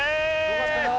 よかったよ。